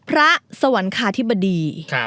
พระสวรรคาธิบดี